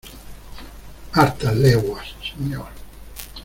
¡ hartas leguas, señor!